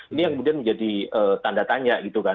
ini yang kemudian menjadi tanda tanya